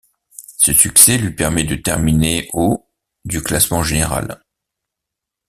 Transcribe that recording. Ce succès lui permet de terminer au du classement général.